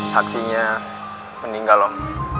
saksinya meninggal om